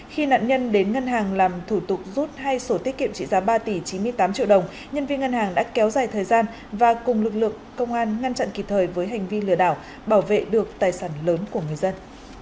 khi nạn nhân đến ngân hàng làm thủ tục rút hai sổ tiết kiệm trị giá ba tỷ chín mươi tám triệu đồng nhân viên ngân hàng đã kéo dài thời gian và cùng lực lượng công an ngăn chặn kịp thời với hành vi lừa đảo bảo vệ được tài sản lớn của người dân